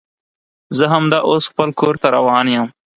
زه همدا اوس خپل کور ته روان یم